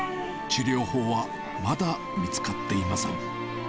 治療法はまだ見つかっていません。